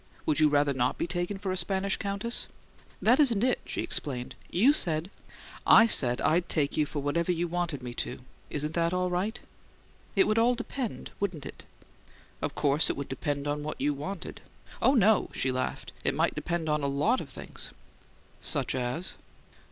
"Would you rather not be taken for a Spanish countess?" "That isn't it," she explained. "You said " "I said I'd take you for whatever you wanted me to. Isn't that all right?" "It would all depend, wouldn't it?" "Of course it would depend on what you wanted." "Oh, no!" she laughed. "It might depend on a lot of things." "Such as?"